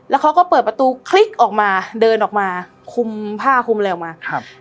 แล้วเขาก็เปิดประตูคลิกออกมาเดินออกมาคุมผ้าคุมอะไรออกมาครับ